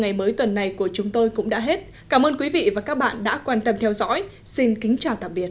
ngày mới tuần này của chúng tôi cũng đã hết cảm ơn quý vị và các bạn đã quan tâm theo dõi xin kính chào tạm biệt